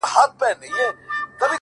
هغه ولس چي د ـ